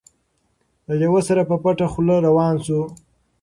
له لېوه سره په پټه خوله روان سو